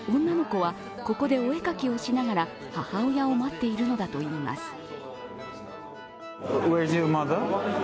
女の子はここでお絵描きをしながら、母親を待っているのだといいます。